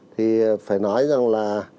thì phải nói rằng là